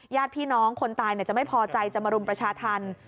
ญาติพี่น้องคนตายจะไม่พอใจจะมารุมประชาธรรม